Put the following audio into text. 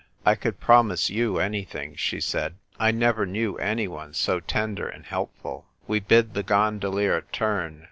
" I could promise you anything," she said. "I never knew anyone so tender and helpful." We bid the gondolier turn.